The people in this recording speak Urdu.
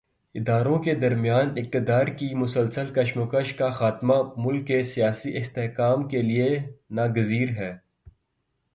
اداروں کے درمیان اقتدار کی مسلسل کشمکش کا خاتمہ، ملک کے سیاسی استحکام کے لیے ناگزیر ہے۔